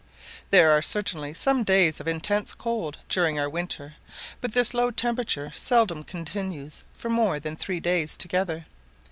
There are certainly some days of intense cold during our winter, but this low temperature seldom continues more than three days together.